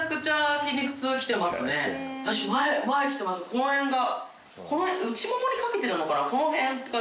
この辺が。